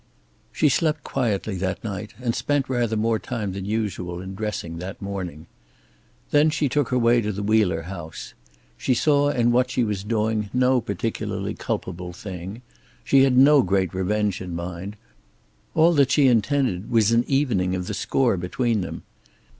She slept quietly that night, and spent rather more time than usual in dressing that morning. Then she took her way to the Wheeler house. She saw in what she was doing no particularly culpable thing. She had no great revenge in mind; all that she intended was an evening of the score between them.